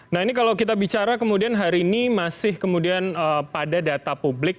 nah ini kalau kita bicara kemudian hari ini masih kemudian pada data publik